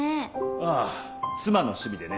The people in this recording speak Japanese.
ああ妻の趣味でね。